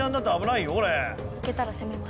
いけたら攻めます。